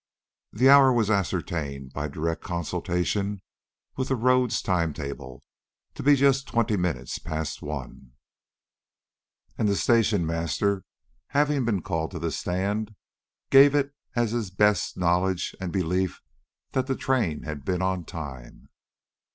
The hour was ascertained, by direct consultation with the road's time table, to be just twenty minutes past one, and the station master having been called to the stand, gave it as his best knowledge and belief that the train had been on time.